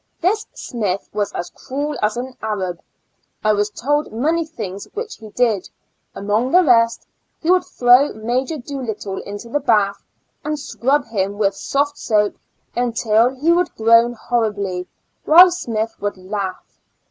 This Smith was as cruel as an Arab. I was told many things which he did; among the rest, he would throw Major Doolittle into the bath and scrub him with soft soap, until he would groan horribly, while Smith would laugh.